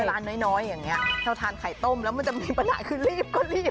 ร้านน้อยอย่างนี้เราทานไข่ต้มแล้วมันจะมีปัญหาคือรีบก็รีบ